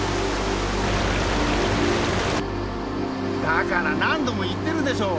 だから何度も言ってるでしょ。